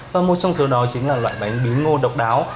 và một trong số đó chính là loại bánh bí ngô độc đáo